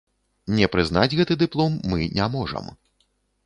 Не прызнаць гэты дыплом мы не можам.